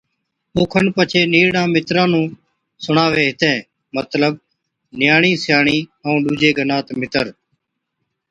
اوکن پڇي نِيرڙان مِتران نُون سُڻاوَي ھِتين، مطلب نِياڻي سِياڻي ائُون ڏُوجي گنات مِتر